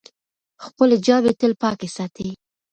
خپلې جامې تل پاکې ساتئ.